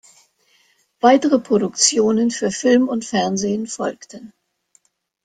Weitere Produktionen für Film und Fernsehen folgten.